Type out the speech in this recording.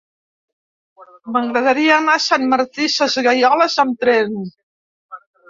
M'agradaria anar a Sant Martí Sesgueioles amb tren.